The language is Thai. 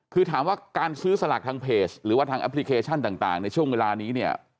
คือถามว่าการซื้อสลากทางเพจหรือว่าทางแอปพลิเคชันต่างในช่วงเวลานี้เนี่ย